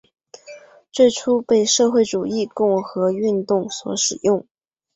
最初被社会主义共和运动所使用。